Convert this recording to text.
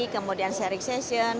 kemudian sharing session